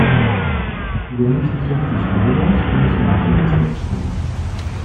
Wer nicht kräftig rudert, muss nachher das Deck schrubben.